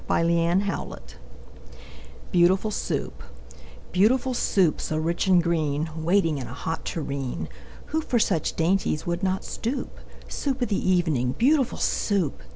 ] Lewis Carroll Beautiful Soup BEAUTIFUL Soup, so rich and green, Waiting in a hot tureen! Who for such dainties would not stoop? Soup of the evening, beautiful Soup!